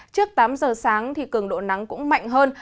trước tám giờ sáng cường độ nắng cũng mạnh hơn